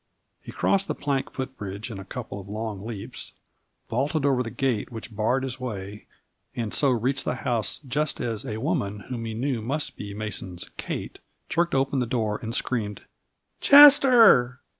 He crossed the plank footbridge in a couple of long leaps, vaulted over the gate which barred his way, and so reached the house just as a woman whom he knew must be Mason's "Kate," jerked open the door and screamed "Chester!"